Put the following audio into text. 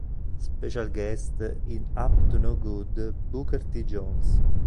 Special guest in "Up to No Good" Booker T. Jones.